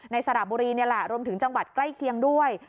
สระบุรีนี่แหละรวมถึงจังหวัดใกล้เคียงด้วย